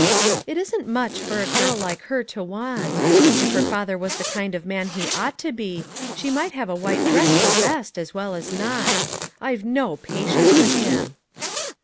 " It isn't much for a girl like her to want ; if her father was the kind of man he ought to be, she might have a white dress for best, as well as not ; I've no patience with him."